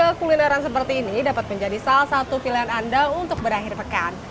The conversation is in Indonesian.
dan juga kulineran seperti ini dapat menjadi salah satu pilihan anda untuk berakhir pekan